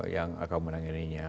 yang akan menanginnya